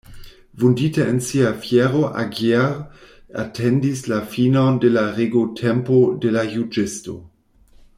Vundita en sia fiero, Aguirre atendis la finon de la regotempo de la juĝisto.